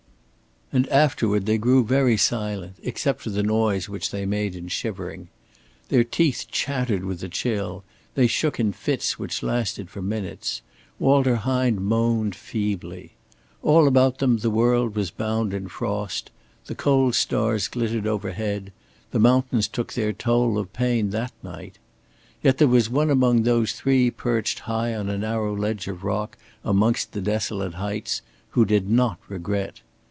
And afterward they grew very silent, except for the noise which they made in shivering. Their teeth chattered with the chill, they shook in fits which lasted for minutes, Walter Hine moaned feebly. All about them the world was bound in frost; the cold stars glittered overhead; the mountains took their toll of pain that night. Yet there was one among those three perched high on a narrow ledge of rock amongst the desolate heights, who did not regret.